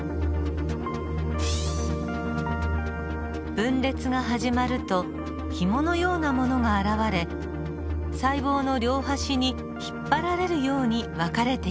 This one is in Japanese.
分裂が始まるとひものようなものが現れ細胞の両端に引っ張られるように分かれていきます。